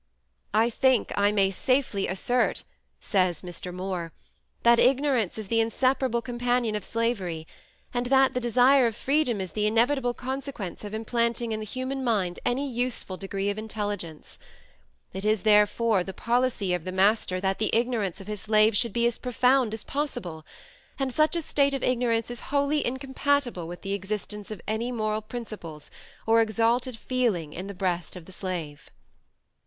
"I think I may safely assert," says Mr. Moore, "that ignorance is the inseparable companion of slavery, and that the desire of freedom is the inevitable consequence of implanting in the human mind any useful degree of intelligence: it is therefore the policy of the master that the ignorance of his slaves should be as profound as possible; and such a state of ignorance is wholly incompatible with the existence of any moral principles or exalted feeling in the breast of the slave.